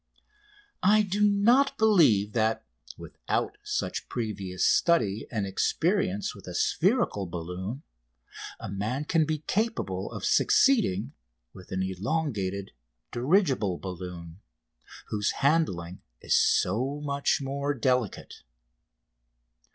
I do not believe that, without such previous study and experience with a spherical balloon, a man can be capable of succeeding with an elongated dirigible balloon, whose handling is so much more delicate.